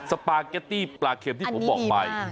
สปาเกตตี้ปลาเข็มที่ผมบอกไป